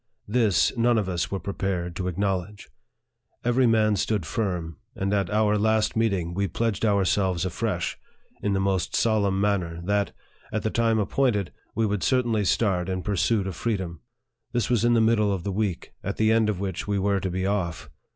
This, none of us were prepared to acknowledge. Every man stood firm ; and at our last meeting, we pledged our selves afresh, in the most solemn manner, that, at the time appointed, we would certainly start in pursuit of freedom. This was in the middle of the week, at the end of which we were to be off.